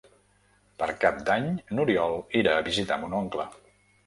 Per Cap d'Any n'Oriol irà a visitar mon oncle.